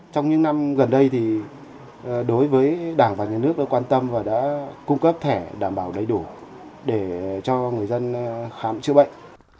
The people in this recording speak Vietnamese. trong những năm gần đây thì đối với đảng và nhà nước đã quan tâm và đã cung cấp thẻ đảm bảo đầy đủ để cho người dân khám chữa bệnh